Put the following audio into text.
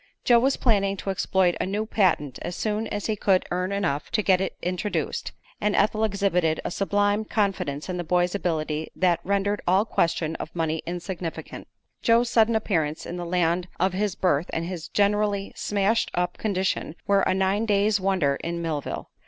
Joe was planning to exploit a new patent as soon as he could earn enough to get it introduced, and Ethel exhibited a sublime confidence in the boy's ability that rendered all question of money insignificant. Joe's sudden appearance in the land of his birth and his generally smashed up condition were a nine days' wonder in Millville.